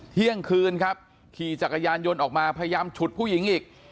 เที่ยงคืนครับขี่จักรยานยนต์ออกมาพยายามฉุดผู้หญิงอีก